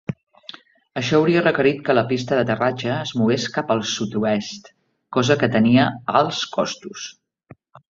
Això hauria requerit que la pista d'aterratge es mogués cap al sud-oest, cosa que tenia alts costos.